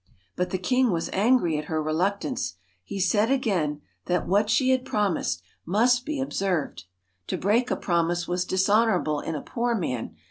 But the king was angry at her reluctance. He said again, that what she had promised must be 233 THE observed. To break a promise was dishonourable .. in a poor man.